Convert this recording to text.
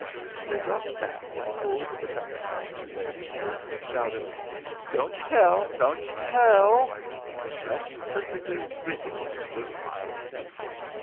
They dropped back and pulled the covering up to their chins, and shouted, "Don't you tell! don't you tell!" and just perfectly wriggled with triumph.